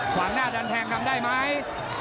ขวางหน้าดันแทงทำได้ไหม